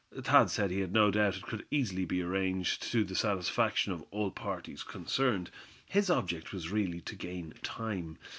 Thad said he had no doubt it could be easily arranged to the satisfaction of all parties concerned. His object was really to gain time.